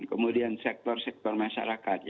kemudian sektor sektor masyarakat